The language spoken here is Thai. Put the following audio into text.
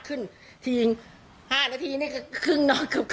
ขึ้นที๕นาทีนี้ขึ้นน่องอยู่กว่า